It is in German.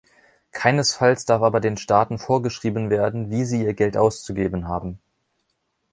Keinesfalls darf aber den Staaten vorgeschrieben werden, wie sie ihr Geld auszugeben haben.